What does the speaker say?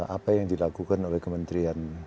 apa yang dilakukan oleh kementerian